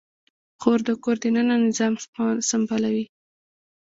خور د کور دننه نظام سمبالوي.